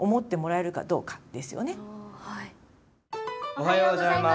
おはようございます。